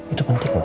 itu penting loh